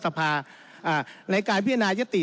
ท่านประธานก็เป็นสอสอมาหลายสมัย